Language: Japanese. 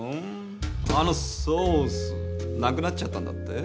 あのソースなくなっちゃったんだって？